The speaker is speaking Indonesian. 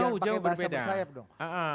jangan pakai bahasa bersayap dong